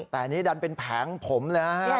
แต่อันนี้ดันเป็นแผงผมเลยฮะ